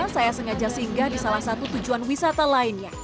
saya sengaja singgah di salah satu tujuan wisata lainnya